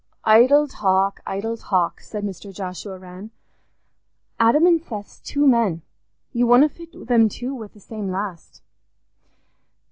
"Idle talk! idle talk!" said Mr. Joshua Rann. "Adam an' Seth's two men; you wunna fit them two wi' the same last."